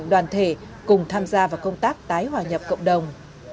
tổng đoàn thể cùng tham gia vào công tác tái hoài nhập cộng đồng